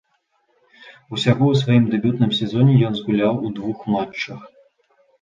Усяго ў сваім дэбютным сезоне ён згуляў у двух матчах.